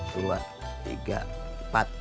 dua tiga empat